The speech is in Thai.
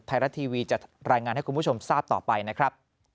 ไทยรัฐทีวีจะรายงานให้คุณผู้ชมทราบต่อไปนะครับ